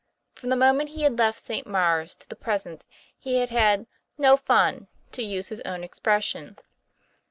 From 1 the moment he had left St. Maure's to the pres ent he had had " no fun," to use his own expression.